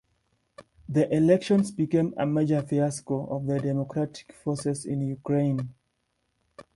The elections became a major fiasco of the Democratic forces in Ukraine.